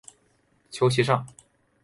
求其上